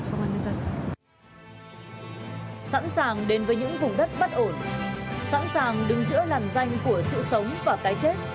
sẵn sàng đứng giữa nằm danh của sự sống và cái chết